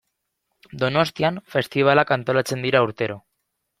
Donostian festibalak antolatzen dira urtero.